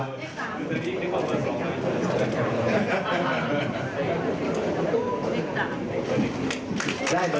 บนโทรศราบนานอีกสักนี่